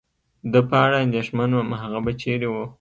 د په اړه اندېښمن ووم، هغه به چېرې و؟